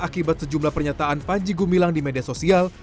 akibat sejumlah pernyataan pandjigu milang di media sosial